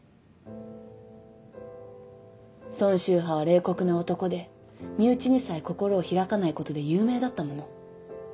波は冷酷な男で身内にさえ心を開かないことで有名だったもの。